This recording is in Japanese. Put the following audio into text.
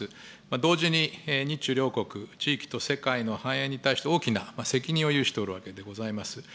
同時に日中両国、地域と世界の繁栄に対して、大きな責任を有しておるわけでございます。